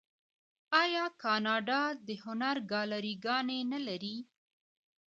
آیا کاناډا د هنر ګالري ګانې نلري؟